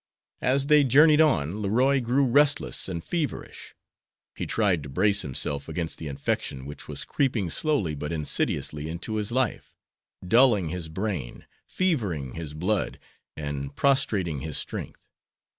As they journeyed on Leroy grew restless and feverish. He tried to brace himself against the infection which was creeping slowly but insidiously into his life, dulling his brain, fevering his blood, and prostrating his strength.